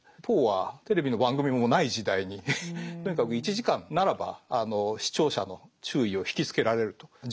ポーはテレビの番組もない時代にとにかく１時間ならば視聴者の注意を引きつけられると。